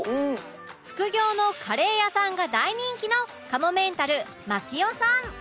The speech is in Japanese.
副業のカレー屋さんが大人気のかもめんたる槙尾さん